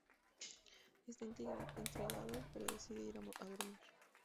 Está intrigado, pero decide ir a dormir.